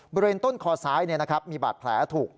บริเวณต้นคอซ้ายเนี่ยนะครับมีบาตแผลถูก